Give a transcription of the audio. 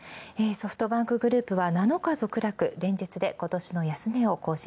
ソフトバンクグループは七日続落、連日で今年の安値を更新